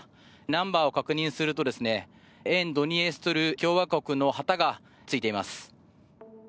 ナンバーを確認すると沿ドニエストル共和国の旗がついています。